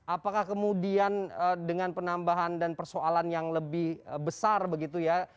apakah kemudian dengan penambahan dan persoalan yang lebih besar begitu ya